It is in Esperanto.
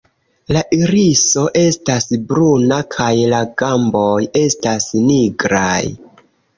La iriso estas bruna kaj la gamboj estas nigraj.